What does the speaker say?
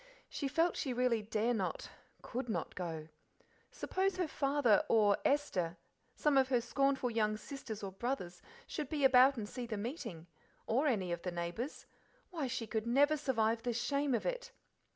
She felt she really dare not, could not go. Suppose her father or Esther, some of her scornful young sisters or brothers, should be about and see the meeting, or any of the neighbours why, she could never survive the shame of it!